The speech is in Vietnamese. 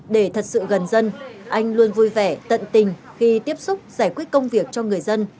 để thật sự gần dân anh luôn vui vẻ tận tình khi tiếp xúc giải quyết công việc cho người dân